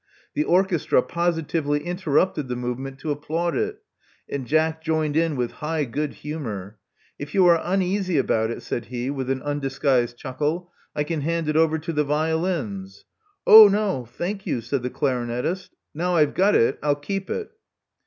The orchestra positively interrupted the movement to applaud it; and Jack joined in with high good humor. If you are uneasy about it," said he, with an undisguised chuckle, I can hand it over to the violins." Oh, no, thank you," said the clarinettist "Now I've got it, I'll keep it."